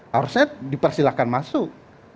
harusnya dipersilakan masuk